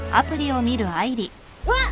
うわっ！